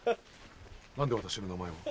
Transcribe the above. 何で私の名前を？